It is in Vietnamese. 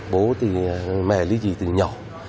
bố thì mẹ lý dị từ nhỏ